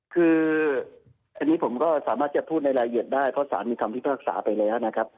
คืออันนี้ผมก็สามารถจะพูดในรายละเอียดได้เพราะสารมีคำพิพากษาไปแล้วนะครับ